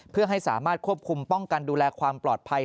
เพื่อให้สามารถควบคุมป้องกันดูแลความปลอดภัย